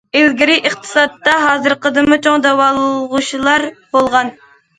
ئىلگىرى ئىقتىسادتا ھازىرقىدىنمۇ چوڭ داۋالغۇشلار بولغان.